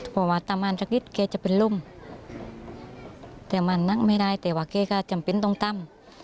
พอว่าตามอาหารสักนิดเก้จะเป็นลุ่มแต่มันนักไม่ได้แต่ว่าเก้ก็จำเป็นต้องตาม